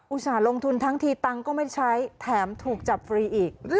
ส่าห์ลงทุนทั้งทีตังค์ก็ไม่ใช้แถมถูกจับฟรีอีก